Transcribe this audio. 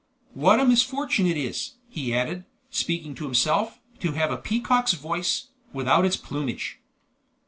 What a misfortune it is," he added, speaking to himself, "to have a peacock's voice, without its plumage!"